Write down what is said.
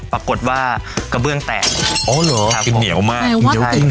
ปรากฏว่ากระเบื้องแตะอ๋อเหรอครับเป็นเหนียวมากแนวว่าติด